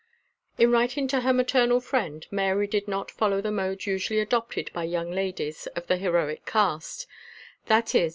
_ IN writing to her maternal friend Mary did not follow the mode usually adopted by young ladies of the heroic cast, viz.